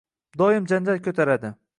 Doim janjal koʻtaradi: